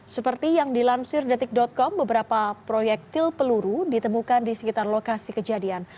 seperti yang dilansir detik com beberapa proyektil peluru ditemukan di sekitar lokasi kejadian